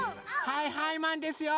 はいはいマンですよ！